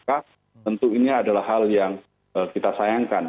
tentu ini adalah hal yang kita sayangkan